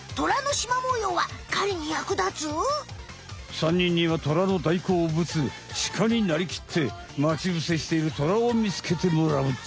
３にんにはトラの大好物シカになりきって待ち伏せしているトラを見つけてもらうっち。